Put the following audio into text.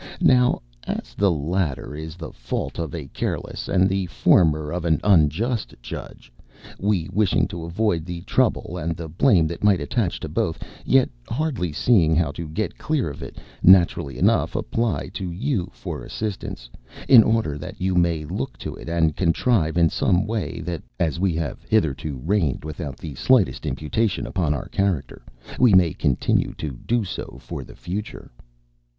Now, as the latter is the fault of a careless, and the former of an unjust judge, we, wishing to avoid the trouble and the blame that might attach to both, yet hardly seeing how to get clear of it, naturally enough apply to you for assistance, in order that you may look to it, and contrive in some way that, as we have hitherto reigned without the slightest imputation upon our character, we may continue to do so for the future.